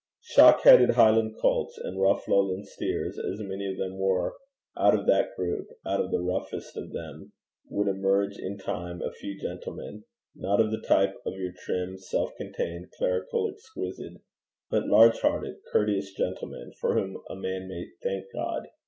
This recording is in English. Shock headed Highland colts, and rough Lowland steers as many of them were, out of that group, out of the roughest of them, would emerge in time a few gentlemen not of the type of your trim, self contained, clerical exquisite but large hearted, courteous gentlemen, for whom a man may thank God.